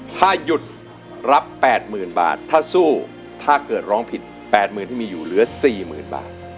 ถ้าหยุดรับ๘๐๐๐บาทถ้าสู้ถ้าเกิดร้องผิด๘๐๐๐ที่มีอยู่เหลือ๔๐๐๐บาท